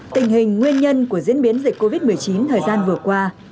tình hình nguyên nhân của diễn biến dịch covid một mươi chín thời gian vừa qua